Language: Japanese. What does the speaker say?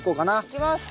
いきます。